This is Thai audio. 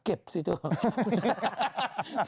เก็บสิทุกอย่าง